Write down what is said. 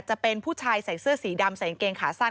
จะเป็นผู้ชายใส่เสื้อสีดำใส่กางเกงขาสั้น